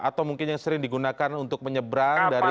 atau mungkin yang sering digunakan untuk menyeberang dari